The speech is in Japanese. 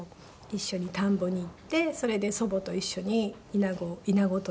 一緒に田んぼに行ってそれで祖母と一緒にイナゴ捕りをして。